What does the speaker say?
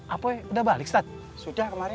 apoi sudah balik sudah kemaren